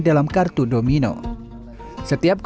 dan berikutnya berisi dua titik